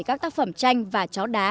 các tác phẩm tranh và chó đá